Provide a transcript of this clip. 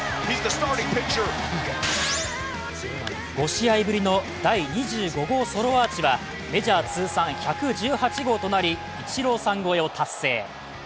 ５試合ぶりの第２５号ソロアーチはメジャー通算１１８号となりイチローさん超えを達成。